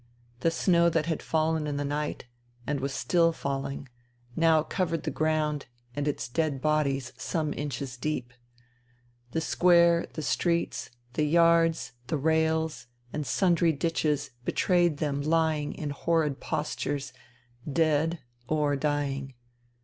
The snow that had fallen in the night, and was still falling, now covered the ground and its dead bodies some inches deep. The square, the streets, the yards, the rails, and sundry ditches betrayed them lying in horrid postures, dead or dying.